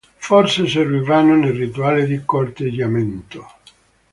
Forse servivano nei rituali di corteggiamento.